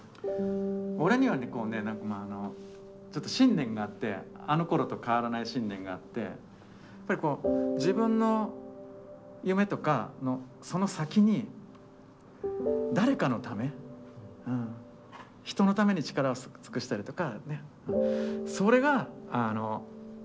俺にはこうね何かまあ信念があってあのころと変わらない信念があってやっぱり自分の夢とかその先に誰かのため人のために力を尽くしたりとかそれが大切じゃないかなと思ってて。